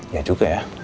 ya juga ya